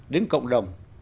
đến cộng đồng